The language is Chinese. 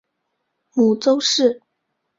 母邹氏。